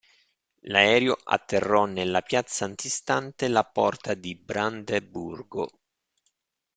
L'aereo atterrò nella piazza antistante la porta di Brandeburgo.